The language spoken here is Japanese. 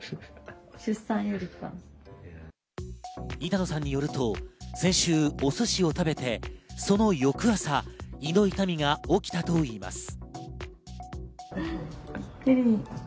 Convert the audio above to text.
板野さんによると先週お寿司を食べて、その翌朝、胃の痛みが起きたといいます。